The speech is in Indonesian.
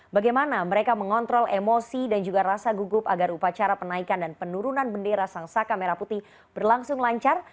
bagaimana mereka mengontrol emosi dan juga rasa gugup agar upacara penaikan dan penurunan bendera sang saka merah putih berlangsung lancar